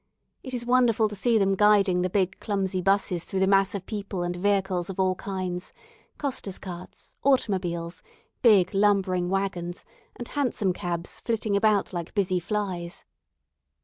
It is wonderful to see them guiding the big clumsy 'buses through the mass of people and vehicles of all kinds costers' carts, automobiles, big lumbering wagons, and hansom cabs flitting about like busy flies.